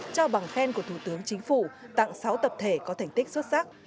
trao bằng khen của thủ tướng chính phủ tặng sáu tập thể có thành tích xuất sắc